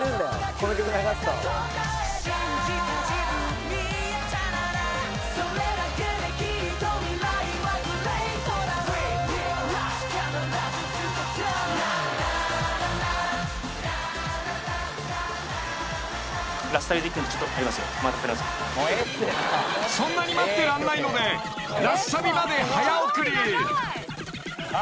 この曲流すとそんなに待ってらんないのでラスサビまで早送り